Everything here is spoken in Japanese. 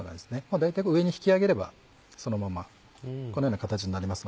大体上に引き上げればそのままこのような形になりますので。